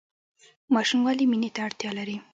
ماشوم ولې مینې ته اړتیا لري؟